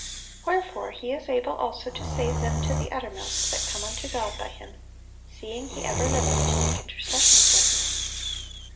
"Wherefore He is able also to save them to the uttermost that come unto God by Him, seeing He ever liveth to make intercession for them."